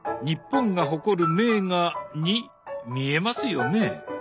日本が誇る名画に見えますよね？